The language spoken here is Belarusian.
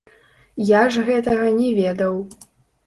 Я ж гэтага не ведаў.